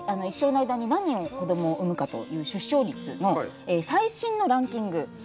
一生の間に何人子どもを産むかという出生率の最新のランキング。